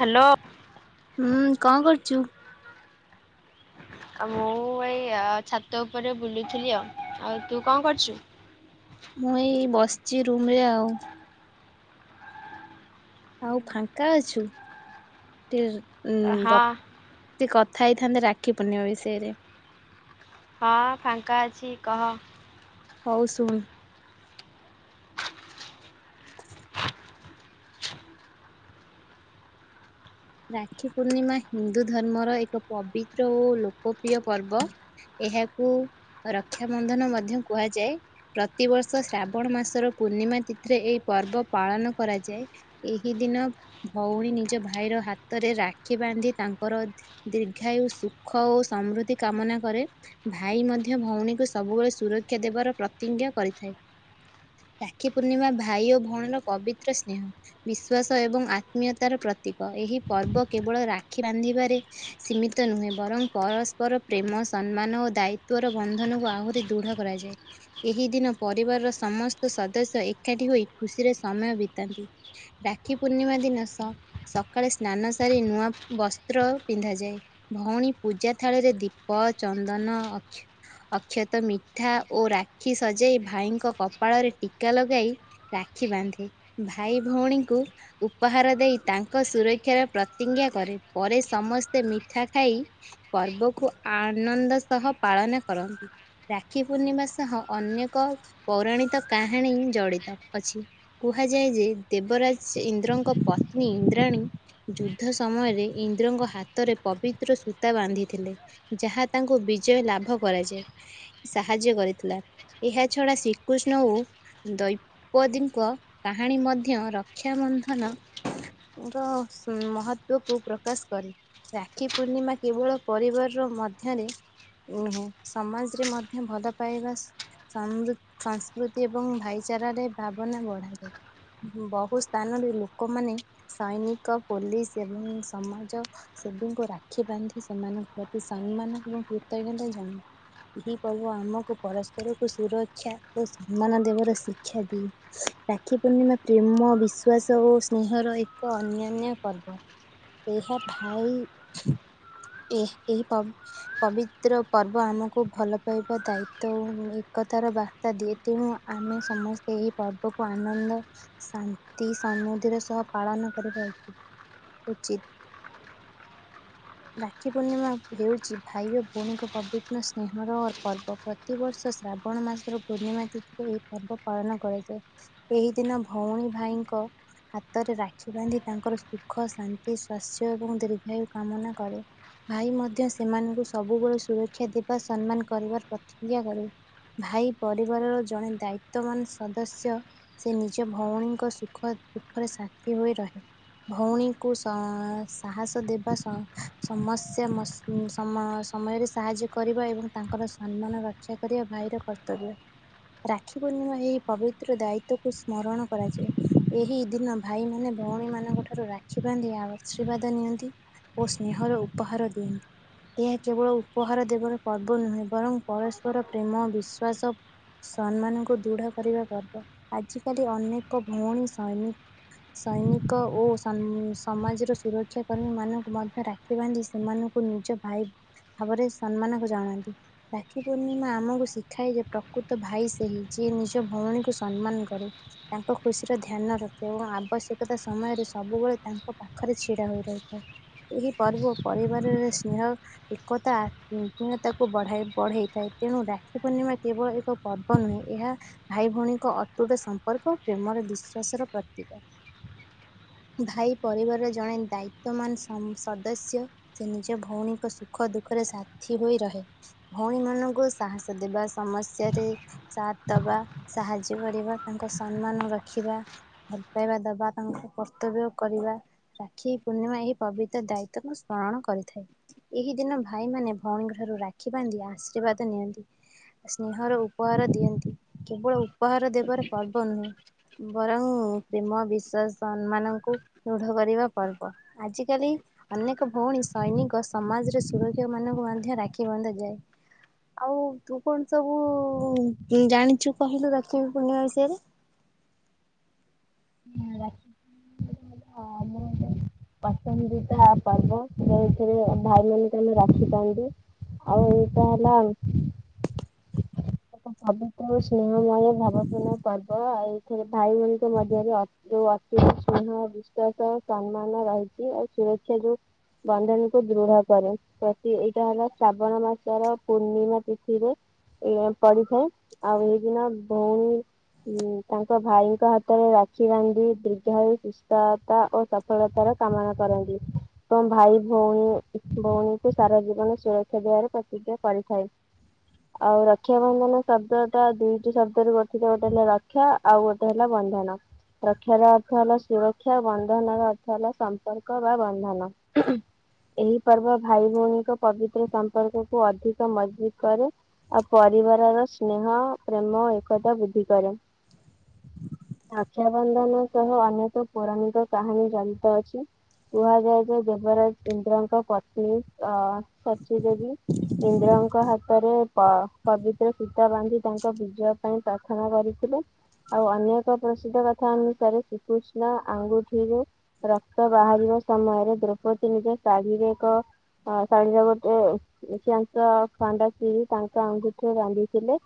Hello. ହୁଁ କଁ କରୁଚୁ? ଆ ମୁଁ ଏଇ ଛାତ ଉପରେ ବୁଲୁଥିଲି ଆଉ। ଆଉ ତୁ କଁ କରୁଚୁ? ମୁଁ ଏଇ ବସଚି ରୁମ୍ ରେ ଆଉ। ଆଉ ଫାଙ୍କା ଅଛୁ? ଟିର୍ ଉଁ ହଁ ହଁ ଗପ୍ କଥା ହେଇଥାନ୍ତେ ରାକ୍ଷୀ ପୂର୍ଣ୍ଣିମା ବିଷୟରେ। ହଁ ଫାଙ୍କା ଅଛି କହ। ହୋଉ ଶୁଣ୍। [inaudible] ରାକ୍ଷୀ ପୂର୍ଣ୍ଣିମା ହିନ୍ଦୁ ଧର୍ମର ଏକ ପବିତ୍ର ଓ ଲୋକପ୍ରିୟ ପର୍ବ। ଏହାକୁ ରକ୍ଷାବନ୍ଧନ ମଧ୍ୟ କୁହାଯାଏ। ପ୍ରତିବର୍ଷ ଶ୍ରାବଣ ମାସର ପୂର୍ଣ୍ଣିମା ତିଥିରେ ଏଇ ପର୍ବ ପାଳନ କରାଯାଏ। ଏହି ଦିନ ଭଉଣୀ ନିଜ ଭାଇର ହା ତରେ ରାକ୍ଷୀ ବାନ୍ଧି, ତାଙ୍କର ଦୀର୍ଘାୟୁ ସୁଖ ଓ ସମୃଦ୍ଧି କାମନା କରେ। ଭାଈ ମଧ୍ୟ ଭଉଣୀକୁ ସବୁବେଳେ ସୁରକ୍ଷା ଦେବାର ପ୍ରତିଜ୍ଞ କରିଥାଏ। ରାକ୍ଷୀ ପୂର୍ଣ୍ଣିମା ଭାଈ ଓ ଭଉଣୀର ପବିତ୍ର ସ୍ନେହ। ବିଶ୍ଵାସ ଏବଂ ଆତ୍ମୀୟତାର ପ୍ରତୀକ। ଏହି ପର୍ବ କେବଳ ରାକ୍ଷୀ ବାନ୍ଧିବାରେ ସୀମିତ ନୁହେଁ। ବରଂ ପରସ୍ପର ପ୍ରେମ ସମ୍ମାନ ଓ ଦାୟିତ୍ବର ବନ୍ଧନକୁ ଆହୁରି ଦୁଢ଼ କରାଯାଏ। ଏହି ଦିନ ପରିବାରର ସମସ୍ତ ସଦସ୍ୟ ଏକାଠି ହୋଇ ଖୁସିରେ ସମୟ ବିତାନ୍ତି। ରାକ୍ଷୀ ପୂର୍ଣ୍ଣିମା ଦିନ ସ-ସକାଳେ ସ୍ନାନ ସାରି ନୂଆ ବସ୍ତ୍ର ପିନ୍ଧାଯାଏ। ଭଉଣୀ ପୂଜା ଥାଳିରେ ଦୀପ ଚନ୍ଦନ ଅକ୍ଷ ଅକ୍ଷତ ମିଠା ଓ ରାକ୍ଷୀ ସଜେଇ ଭାଇଙ୍କ କପାଳରେ ଟୀକା ଲଗାଇ ରାକ୍ଷୀ ବାନ୍ଧେ। ଭାଇ ଭଉଣୀଙ୍କୁ ଉପହାର ଦେଇ ତାଙ୍କ ସୁର କ୍ଷାର ପ୍ରତିଜ୍ଞା କରେ। ପରେ ସମସ୍ତେ ମିଠା ଖାଇ ପର୍ବକୁ ଆ-ନନ୍ଦ ସହ ପାଳନ କରନ୍ତି। ରାକ୍ଷୀ ପୂର୍ଣ୍ଣିମା ସହ ଅନେକ ପୌରାଣିତ କାହାଣୀ ଜଡ଼ିତ ଅଛି। କୁହାଯାଏ ଯେ, ଦେବରାଜ୍ ଇନ୍ଦ୍ରଙ୍କ ପତ୍ନୀ ଇନ୍ଦ୍ରାଣୀ ଯୁଦ୍ଧ ସମୟରେ ଇନ୍ଦ୍ରଙ୍କ ହାତରେ ପବିତ୍ର ସୂତା ବାନ୍ଧିଥିଲେ। ଯାହା ତାଙ୍କୁ ବିଜୟ ଲାଭ କରାଯାଏ। ସାହାଯ୍ୟ କରିଥିଲା। ଏହା ଛଡା ଶ୍ରୀକୃଷ୍ଣ ଓ ଦୈପଦୀ ଙ୍କ କାହାଣୀ ମଧ୍ୟ ରକ୍ଷାବନ୍ଧନ ରସ୍। ଉଁ ମହତ୍ବକୁ ପ୍ରକାଶ କରେ। ରାକ୍ଷୀ ପୂର୍ଣ୍ଣିମା କେବଳ ପରିବାର ର ମଧ୍ୟରେ ଓହୋ। ସମାଜରେ ମଧ୍ୟ ଭଲ ପାଇବା ସମୃ-ସଂସ୍କୃତି ଏବଂ ଭାଇଚାରାରେ ଭାବନା ବଢ଼ାଯାଏ। ବହୁ ସ୍ଥାନରେ ଲୋକମାନେ ସୈନିକ, ପୋଲିସ ଏବଂ ସମାଜ ସେବୀଙ୍କୁ ରାକ୍ଷୀ ବାନ୍ଧି ସେମାନଙ୍କ ପ୍ରତି ସମ୍ମାନ ଏବଂ କୃତଜ୍ଞତା ଜଣାନ୍ତି। ଏହି ପର୍ବ ଆମକୁ ପରସ୍ପରକୁ ସୁରକ୍ଷା ଓ ସମ୍ମାନ ଦେବାର ଶିକ୍ଷା ଦିଏ। ରାକ୍ଷୀ ପୂର୍ଣ୍ଣିମା ପ୍ରେମ ବିଶ୍ଵାସ ଓ ସ୍ନେହର ଏକ ଅନ୍ୟ ନ୍ୟ ପର୍ବ ଏହା ଭାଇ ଏ ଏହି ପଵ ପବିତ୍ର ପର୍ବ ଆମକୁ ଭଲ ପାଇବା ଦାୟିତ୍ୟ ଉଁ ଏକତାର ବା ତା ଦିଏ ତେଣୁ ଆମେ ସମସ୍ତେ ଏହି ପର୍ବକୁ ଆନନ୍ଦ ଶାନ୍ତି ସମୃଦ୍ଧିର ସହ ପାଳନ କରିବା ଉ ଉଚିତ୍। ରାକ୍ଷୀ ପୂର୍ଣ୍ଣିମା ହେଉଛି ଭାଇ ଓ ଭଉଣୀଙ୍କ ପବିତ୍ର ସ୍ନେହର ପର୍ବ। ପ୍ରତିବର୍ଷ ଶ୍ରାବଣ ମାସର ପୂର୍ଣ୍ଣିମା ତିଥିରେ ଏହି ପର୍ବ ପାଳନ କରାଯାଏ। ଏହି ଦିନ ଭଉଣୀ ଭାଇଙ୍କ ହାତରେ ରାକ୍ଷୀ ବାନ୍ଧି ତାଙ୍କର ସୁଖ ଶାନ୍ତି ସ୍ୱାସ୍ୟ ଏବଂ ଦୀର୍ଘାୟୁ କାମନା କରେ। ଭାଇ ମଧ୍ୟ ସେମାନଙ୍କୁ ସବୁବେଳେ ସୁରକ୍ଷା ଦେବା ସମ୍ମାନ କରିବାର ପ୍ରତିଜ୍ଞା କରେ। ଭାଇ ପରିବାରର ଜଣେ ଦାୟିତ୍ୱବାନ ସଦସ୍ୟ ସେ ନିଜ ଭଉଣୀଙ୍କ ସୁଖ ଦୁଃଖରେ ସାଥୀ ହୋଇ ରହେ। ଭଉଣୀଙ୍କୁ ସଂ ସାହସ ଦେବା ସଂ ସମସ୍ୟା ମସ ସମ ସମୟରେ ସାହାଯ୍ୟ କରିବା ଏବଂ ତାଙ୍କର ସମ୍ମାନ ରକ୍ଷା କରିବା ଭାଇର କର୍ତ୍ତବ୍ୟ। ରାକ୍ଷୀ ପୂର୍ଣ୍ଣିମା ଏହି ପବିତ୍ର ଦାୟିତ୍ଵକୁ ସ୍ମରଣ କରାଯାଏ ଏହି ଦିନ ଭାଇମାନେ ଭଉଣୀମାନେ ଙ୍କ ଠାରୁ ରାକ୍ଷୀ ବାନ୍ଧି ଆଶୀର୍ବାଦ ନିଅନ୍ତି ଓ ସ୍ନେହର ଉପହାର ଦିଅନ୍ତି। ଏହା କେବଳ ଉପହାର ଦେବର ପର୍ବ ନୁହେଁ ବରଂ ପରସ୍ପର ପ୍ରେମ ବିଶ୍ଵାସ ସମ୍ମାନଙ୍କୁ ଦୃଢ କରିବା ପର୍ବ ଆଜିକାଲି ଅନେକ ଭଉଣୀ ସୈନ ସୈନି କ ଓ ସମ୍ ସମାଜର ସୁରକ୍ଷା କର୍ମୀ ମାନଙ୍କୁ ମଧ୍ୟ ରାକ୍ଷୀ ବାନ୍ଧି ସେମାନଙ୍କୁ ନିଜ ଭାଇ ଭାବରେ ସମ୍ମାନ ଜଣାନ୍ତି। ରାକ୍ଷୀ ପୂର୍ଣ୍ଣିମା ଆମକୁ ଶିଖାଏ ଯେ ପ୍ରକୃତ ଭାଇ ସେହି ଯିଏ ନିଜ ଭଉଣୀକୁ ସମ୍ମାନ କରେ। ତାଙ୍କ ଖୁସିର ଧ୍ୟାନ ରଖେ ଏବଂ ଆବଶ୍ୟକତା ସମୟରେ ସବୁବେଳେ ତାଙ୍କ ପାଖରେ ଛି ଛିଡ଼ା ହୋଇ ରହିଥାଏ ଏହି ପର୍ବ ପରିବାରରେ ସ୍ନେହ ଏକତା ଆ ଆତ୍ମୀୟତାକୁ ବଢାଏ ବଢେଇଥାଏ ତେଣୁ ରାକ୍ଷୀ ପୂର୍ଣ୍ଣିମା କେବଳ ଏକ ପର୍ବ ନୁହେଁ ଏହା ଭାଇ ଭଉଣୀଙ୍କ ଅତୁଟ ସମ୍ପର୍କ ପ୍ରେମର ବିଶ୍ଵାସର ପ୍ରତୀକ। ଭାଇ ପରିବାରର ଜଣେ ଦାୟିତ୍ୱମାନ ସ ସଦସ୍ୟ। ସେ ନିଜ ଭଉଣୀଙ୍କ ସୁଖ ଦୁଃଖରେ ସାଥୀ ହୋଇ ରହେ। ଭଉଣୀ ମାନଙ୍କୁ ସାହସ ଦେବା ସମସ୍ୟାରେ ସାଥ ଦବା ସାହାଯ୍ୟ କରିବା ତାଙ୍କ ସମ୍ମାନ ରଖିବା ଭଲ ପାଇବା ଦବା। ତାଙ୍କ କର୍ତ୍ତବ୍ୟ କରିବା ରାକ୍ଷୀ ପୂର୍ଣ୍ଣିମା ଏହି ପବିତ୍ର ଦାୟିତ୍ଵକୁ ସ୍ମରଣ କରିଥାଏ। ଏହି ଦିନ ଭାଇମାନେ ଭଉଣୀଙ୍କଠାରୁ ରାକ୍ଷୀ ବାନ୍ଧି ଆଶୀର୍ବାଦ ନିଅନ୍ତି। ସ୍ନେହର ଉପହାର ଦିଅନ୍ତି କେବଳ ଉ ଉପହାର ଦେବର ପର୍ବ ନୁହେଁ ବରଂ ପ୍ରେମ ବିଶ୍ୱାସ ସମ୍ମାନଙ୍କୁ ଦୃଢ କରିବା ପର୍ବ ଆଜିକାଲି ଅନେକ ଭଉଣୀ ସୈନିକ ସମାଜର ସୁରକ୍ଷା ମାନଙ୍କୁ ମଧ୍ୟ ରାକ୍ଷୀ ବନ୍ଧାଯାଏ। ଆଉ ତୁ କଣ ସବୁ ଜାଣିଛୁ କହିଲୁ ରାକ୍ଷୀ କୁ ପୂର୍ଣିଆ ବିଷୟରେ? ହୁଁ ରା [unintelligible] ହଁ ମୁଁ ପସନ୍ଦିତା ପର୍ବ ଏଥିରେ ଭାଇ ମାନ ତମେ ରଖିଥାନ୍ତି। ଆଉ ଏଇଟା ହେଲା ପବିତ୍ର ଓ ସ୍ନେହମୟ ଭାବପୂର୍ଣ୍ଣ ପର୍ବ ଆଉ ଏଥିରେ ଭାଇ ଭଉଣୀଙ୍କ ମଧ୍ୟରେ ଅ ଯୋଉ ଅତୁଟ ସ୍ନେହ ବିଶ୍ଵାସ ଓ ସମ୍ମାନ ରହିଛି ଆଉ ସୁରକ୍ଷା ଯୋଉ ବନ୍ଧନୀକୁ ଦୃଢ କରେ ପ୍ରତି ଏଇଟା ହେଲା ଶ୍ରାବଣ ମାସର ପୂର୍ଣ୍ଣିମା ତିଥିରେ ଏଇ ପଡିଥାଏ ଆଉ ଏହି ଦିନ ଭଉଣୀ ଉଁ ତାଙ୍କ ଭାଇଙ୍କ ହାତରେ ରାକ୍ଷୀ ବାନ୍ଧି ଦୀର୍ଘାୟୁ ସୁସ୍ତୟାତା ଓ ସ ସଫଳତାର କାମନା କରନ୍ତି। ତ ଭାଇ ଭଉଣୀ ଭଉଣୀଙ୍କୁ ସାରା ଜୀବନ ସୁରକ୍ଷା ଦେବାର ପ୍ରତିଜ୍ଞା କରିଥାଏ। ଆଉ ର ରକ୍ଷାାବନ୍ଧନ ଶବ୍ଦ ଟା ଦୁଇଟି ଶବ୍ଦ ରୁ ଗଠିତ ହେଲା ଗୋଟେ ହେଲା ରକ୍ଷା ଆଉ ଗୋଟେ ହେଲା ବନ୍ଧନ। ରକ୍ଷାର ଅର୍ଥ ହେଲା ସୁରକ୍ଷା, ବନ୍ଧନ ର ଅର୍ଥ ହେଲା ସମ୍ପର୍କ ବା ବନ୍ଧନ। ଏହି ପର୍ବ ଭାଇ ଭଉଣୀଙ୍କ ପବିତ୍ର ସମ୍ପର୍କକୁ ଅଧିକ ମଜବୁତ୍ କରେ। ଆଉ ପରିବାରର ସ୍ନେହ, ପ୍ରେମ, ଏକତା ବୃଦ୍ଧି କରେ। ରକ୍ଷାବନ୍ଧନ ସହ ଅନେକ ପୌରାଣିକ କାହାଣୀ ଜଡିତ ଅଛି। କୁହାଯାଏ ଯେ ଦେବରାଜ ଇନ୍ଦ୍ରଙ୍କ ପତ୍ନୀ ଅ ସଚୀଦେବୀ ଇନ୍ଦ୍ରଙ୍କ ହାତରେ ପ ପବିତ୍ର ଫିତା ବାନ୍ଧି ତାଙ୍କ ବିଜୟ ପାଇଁ ପ୍ରାର୍ଥନା କରିଥିଲେ। ଆଉ ଅନ୍ୟ ଏକ ପ୍ରସିଦ୍ଧ କଥା ଅନୁସାରେ ଶ୍ରୀକୃଷ୍ଣ ଆଙ୍ଗୁଠିରେ ରକ୍ତ ବାହାରିବା ସମୟରେ ଦ୍ରୌପଦୀ ନିଜ ଶାଢୀରେ ଏକ ଅ ଶାଢ଼ୀର ଗୋଟେ କିଛି ଅଂଶ ଖଣ୍ଡ ଚିରି ତାଙ୍କ ଆଙ୍ଗୁଟିରେ ବାନ୍ଧିଥିଲେ।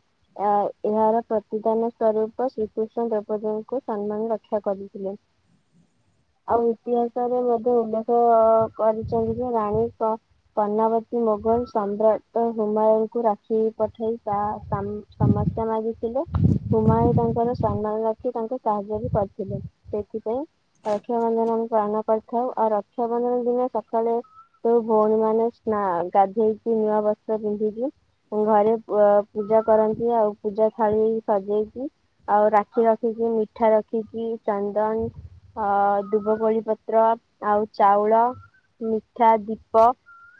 ଆ ଏହାର ପ୍ରତିଦାନ ସ୍ୱରୂପ ଶ୍ରୀକୃଷ୍ଣ ଦ୍ରୌପଦୀଙ୍କୁ ସମ୍ମାନ ରକ୍ଷା କରିଥିଲେ। ଆଉ ଇତିହାସରେ ମଧ୍ୟ ଉଲ୍ଲେଖ କରିଛନ୍ତି ଯେ ରାଣୀ ପ ପନାବତୀ ମୋଗଲ ସମ୍ରାଟ ହୁମାୟଙ୍କୁ ରାକ୍ଷୀ ପଠେଇ ତା ସମସ୍ୟା ମାଗିଥିଲେ ହୁମାୟୁ ତାଙ୍କର ସମ୍ମାନ ରଖି ତାଙ୍କ ସାହାଯ୍ୟ ବି କରିଥିଲେ, ସେଥିପାଇଁ ରକ୍ଷାବନ୍ଧନ ଆମେ ପାଳନ କରିଥାଉ, ଆଉ ରକ୍ଷାବନ୍ଧନ ଦିନ ସ ସକଳେ ସବୁ ଭଉଣୀ ମାନେ ସ୍ନା ଗାଧେଇକି ନୂଆ ବସ୍ତ୍ର ପିନ୍ଧିକି ଘରେ ପୂଜା କରନ୍ତି, ଆଉ ପୂଜା ଥାଳି ସଜେଇକି ଆଉ ରାକ୍ଷୀ ରଖିକି ମିଠା ରଖିକି ଚନ୍ଦନ ଅ ଦୁବକୋଳି ପତ୍ର ଆଉ ଚାଉଳ, ମିଠା, ଦୀପ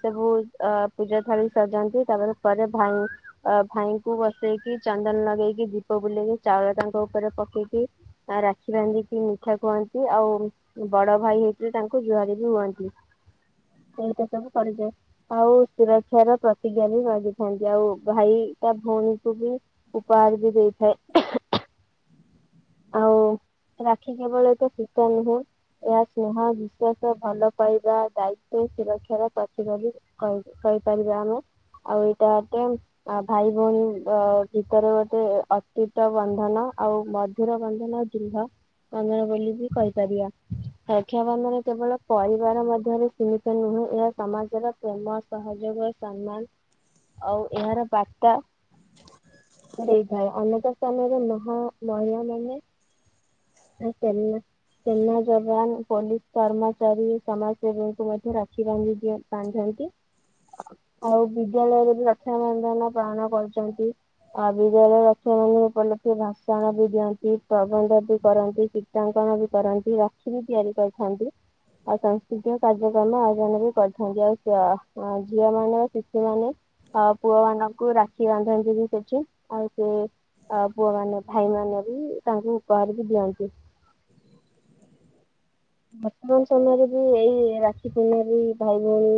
ସବୁ ଅ ପୂଜା ଥାଳି ସଜାନ୍ତି ତାପରେ ପରେ ଭାଇ ଅ ଭାଇଙ୍କୁ ବସେଇକି ଚନ୍ଦନ ଲଗେଇକି ଦୀପ ବୁଲେଇକି ଚାଉଳ ତାଙ୍କ ଉପରେ ପକେଇକି ଆ ରାକ୍ଷୀ ବାନ୍ଧିକି ମିଠା ଖୁଆନ୍ତି, ଆଉ ବଡ ଭାଇ ହେଇଥିଲେ ତାଙ୍କୁ ଜୁହାର ବି ହୁଅନ୍ତି। ସେଇଟା ସବୁ କରାଯାଏ, ଆଉ ସୁରକ୍ଷାର ପ୍ରତିଜ୍ଞା ବି ମାଗି ଥାନ୍ତି ଆଉ ଭାଇ ତା ଭଉଣୀକୁ ବି ଉପହାର ବି ଦେଇଥାଏ। ଆଉ ରାକ୍ଷୀ କେବଳ ଏକ ଫିତା ନୁହେଁ। ଏହା ସ୍ନେହ, ବିଶ୍ଵାସ, ଭଲ ପାଇବା, ଦାୟିତ୍ଵ ସୁରକ୍ଷାର ପ୍ରତିକ ବି କହି କହିପାରିବା ଆମେ, ଆଉ ଏଇଟା ଆ ଭାଇ ଭଉଣୀ ଭିତରେ ଗୋଟେ ଅତୁଟ ବନ୍ଧନ ଆଉ ମ ଧୁର ବନ୍ଧନ ଦୃଢ଼। ବନ୍ଧନ ବୋଲି ବି କହିପାରିବା, ରକ୍ଷାବନ୍ଧନ କେବଳ ପରିବାର ମଧ୍ୟରେ ସିମିିତ ନୁହେଁ, ଏହା ସମାଜରେ ପ୍ରେମ, ସହଯୋଗ, ସମ୍ମାନ ଆଉ ଏହାର ବାର୍ତା ଦେଇଥାଏ ଅନେକ ସ୍ଥାନରେ ମହା ମହିଳା ମାନେ ଆ [unintelligible] ସେନା ଯବାନ, ପୋଲିସ କର୍ମଚାରୀ, ସମାଜ ସେବୀଙ୍କୁ ମଧ୍ୟ ରାକ୍ଷି ବାନ୍ଧି ବାନ୍ଧନ୍ତି, ଆଉ ବିଦ୍ୟାଳୟରେ ବି ରକ୍ଷାବନ୍ଧନ ପାଳନ କରୁଚନ୍ତି। ଆ ବିଦ୍ୟାଳୟ ରକ୍ଷାବନ୍ଧନ ପଡ଼ିଲେ ଭାସଣ ବି ଦିଅନ୍ତି। କି ପ୍ରବନ୍ଧ ବି କରନ୍ତି, ଚିତ୍ରାଙ୍କନ ବି କରନ୍ତି, ରାକ୍ଷୀ ବି ତିଆରି କରିଥାନ୍ତି। ଆଉ ସାଂସ୍କୃତିକ କାର୍ଯ୍ୟକ୍ରମ ଆୟୋଜନ ବି କରିଥାନ୍ତି, ଆଉ ଝିଅ ମାନେ ପୁ ସେମାନେ ଅ ପୁଅ ମାନଙ୍କୁ ରା ରାଖି ବାନ୍ଧନ୍ତି ବି ସେଠୀ ଆଉ ସେ ପୁଅମାନେ ଭାଇମାନେ ବି ତାଙ୍କୁ ଉପହାର ବି ଦିଅନ୍ତି। ବର୍ତ୍ତମାନ ସମୟରେ ବି ଏଇ ରାକ୍ଷୀ ପୂର୍ଣ୍ଣିମା ବି ଭାଇ ଭଉଣୀ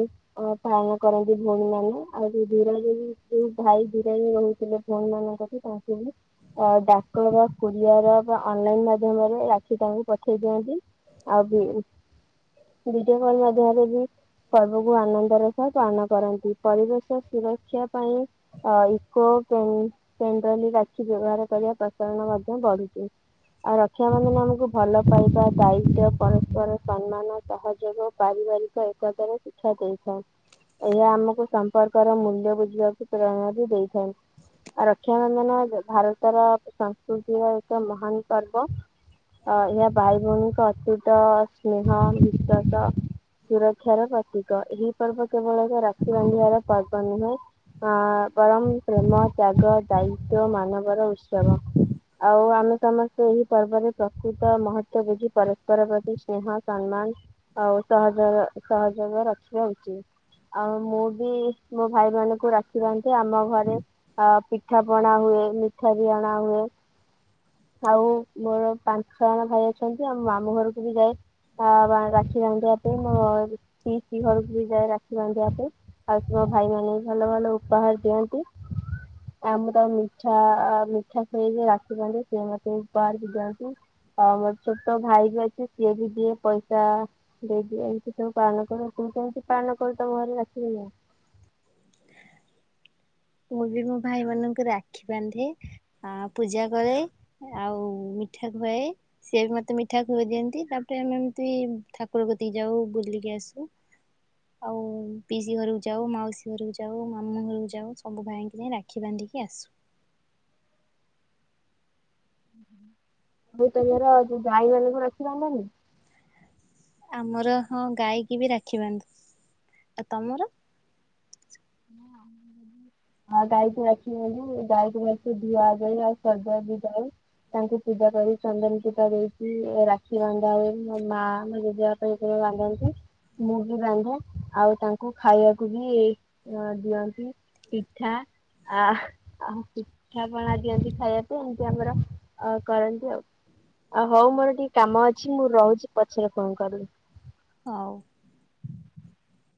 ଅ -ପାଳନ କରନ୍ତି ଭଉଣୀ ମାନେ ଆଉ ଯଉ ଦୂରରେ ଯଉ ଭାଇ ଦୂରରେ ରହୁଥିଲେ ଭଉଣୀ ମାନଙ୍କ [unintelligible] ଅ- ଡାକ ର [unintelligible] ବା ଅନଲାଇନ୍ ମାଧ୍ୟମରେ ରାକ୍ଷୀ ତାଙ୍କୁ ପଠେଇ ଦିଅନ୍ତି। ଆଉ ବି ଭିଡିଓ କଲ୍ ମାଧ୍ୟମରେ ବି ପର୍ବକୁ ଆନନ୍ଦରେ ପାଳନ କରନ୍ତି। ପରିବେଶ ସୁରକ୍ଷା ପାଇଁ ଅ- ଇକୋ ସେଟାଲି ରାକ୍ଷୀ ବ୍ୟବହାର କରିବା ପ୍ରଚଳନ ମଧ୍ୟ ବଢିଚି। ଆଉ ରକ୍ଷାବନ୍ଧନ ଆମକୁ ଭଲ ପାଇବା ଦାୟି ତ୍ବ ପରାସ୍ପର ସମ୍ମାନ, ସହଯୋଗ ଓ ପାରିବାରିକ ଏକତାରେ ଶିକ୍ଷା ଦେଇଥାଏ। ଏହା ଆମକୁ ସମ୍ପର୍କର ମୂଲ୍ୟ ବୁଝିବାକୁ ପ୍ରେରଣା ବି ଦେଇଥାଏ। ରକ୍ଷାବନ୍ଧନ ଭାରତର ସଂସ୍କୃତିର ଏକ ମହାନ୍ ପର୍ବ। ଅ- ଏହା ଭାଇ ଭଉଣୀଙ୍କ ଅ ସେ ତ ସ୍ନେହ, ବିଶ୍ୱାସ, ସୁରକ୍ଷାର ପ୍ରତିକ ଏହି ପର୍ବ କେବଳ ରାକ୍ଷୀ ବାନ୍ଧିବାର ପ [unintelligible] ନୁହେଁ ଅ- ବରଂ ପ୍ରେମ, ତ୍ୟାଗ, ଦାୟିତ୍ଵ, ମାନବର ଉତ୍ସବ। ଆଉ ଆମେ ସମସ୍ତେ ଏହି ପର୍ବରେ ପ୍ରକୃତ ମହତ୍ବ ବୁଝିପାର ପ୍ରତି ସ୍ନେହ, ସମ୍ମାନ୍ ଆଉ ସହଯ- ସହଯୋଗ ରଖିବା ଉଚିତ୍। ଆଉ ମୁଁ ବି ମୋ ଭାଇ ମାନଙ୍କୁ ରାକ୍ଷୀ ବାନ୍ଧେ ଆମ ଘରେ ଅ- ପିଠା ପଣା ହୁଏ ମିଠା ବି ଆଣା ହୁଏ। ଆଉ ମୋର ପାଞ୍ଚ ଜଣ ଭାଇ ଅଛନ୍ତି ଆମ ମା ମୁ ଘରକୁ ବି ଯାଏ ଆ ରାକ୍ଷୀ ବାନ୍ଧିବା ପାଇଁ ମୁଁ ପିଇସି ଘରକୁ ବି ଯାଏ ରା ବାନ୍ଧିବା ପାଇଁ ଆଉ ମୋ ଭାଇ ମାନେ ଭଲ ଭଲ ଉପହାର ଦିଅନ୍ତି। ଆମର ମିଠା -ମିଠା ଖୁଏଇକି ରାଖି ବାନ୍ଧେ ସେ ମତେ ଉପହାର ଦିଅନ୍ତି। ଆଉ ମୋର ଛୋଟ ଭାଇ ବି ଅଛି ସିଏ ବି ଦିଏ ପଇସା। [unintelligible] ଏଇଠି ସବୁ ପାଳନ କରେ। ତୁ କେମିତି ପାଳନ କରୁ ତ ଘରେ ରାକ୍ଷୀ ପୂର୍ଣିମା? ମୁଁ ବି ମୋ ଭାଇ ମାନଙ୍କୁ ରାକ୍ଷୀ ବାନ୍ଧେ। ଆ- ପୂଜା କରେ ଆଉ ମିଠା ଖୁଆଏ ସିଏ ବି ମତେ ମିଠା ଖୁଆଇ ଦିଅନ୍ତି ତାପରେ ଆମେ ଏମିତି ଠାକୁର କତିକି ଯାଉ ବୁଲିକି ଆସୁ। ଆଉ ପିଇସି ଘରକୁ ଯାଉ ମାଉସୀ ମାଉସୀ ଘରକୁ ଯାଉ ମାମୁଁ ଘରକୁ ଯାଉ ସବୁ ଭାଇଙ୍କି ଯାଇ ରାକ୍ଷୀ ବାନ୍ଧିକି ଆସୁ। ହୁଁ। ଆଉ ତମର ଗାଈ ମାନଙ୍କୁ ରାକ୍ଷି ବାନ୍ଧନି? ଆମର ହଁ ଗାଈକ ବି ରାକ୍ଷୀ ବାନ୍ଧୁ। ଆଉ ତମର? ହଁ। ହଁ ଗାଈକୁ ରାକ୍ଷୀ ବାନ୍ଧୁ ଗାଈକୁ ଭଲସେ [unintelligible] ଆଉ ସଜା ବି ଯାଏ।। ତାଙ୍କୁ ପୂଜା କରି ଚନ୍ଦନ ଟିପା ଦେଇକି ରାକ୍ଷୀ ବନ୍ଧା ହୁଏ ମୋ ମା ମୋ ଜେଜେ କି ବି ବାନ୍ଧନ୍ତି। ମୁଁ ବି ବାନ୍ଧେ ଆଉ ତାଙ୍କୁ ଖାଇବାକୁ ବି ଦିଅନ୍ତି। ପିଠା ଆ ଆ- ପିଠାପଣା ଦିଅନ୍ତି ଖାଇବାକୁ ଏମତି ଆମର ଆ-କରନ୍ତି ଆଉ। ଆଉ ହଉ ମୋର ଟିକେ କାମ ଅଛି ମୁଁ ରହୁଚି ପଛରେ ଫୋନ୍ କରିବି। ହଉ।